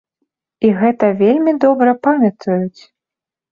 І гэта вельмі добра памятаюць.